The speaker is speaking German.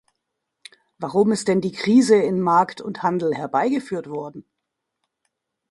Warum ist denn die Krise in Markt und Handel herbeigeführt worden?